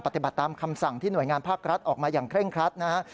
ปฏิบัติตามคำสั่งที่หน่วยงานภาครัฐออกมาอย่างเคร่งครัดนะฮะ